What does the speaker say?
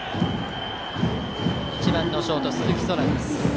１番のショート、鈴木昊です。